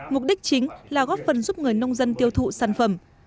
mục đích chính là góp phần giúp người nông dân tiêu thụ sản phẩm